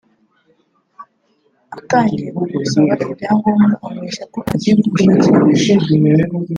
Atangiye kumusaba ibyangombwa amubeshya ko agiye kumushakira visa